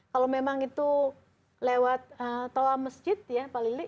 kalau memang itu lewat toa masjid ya pak lili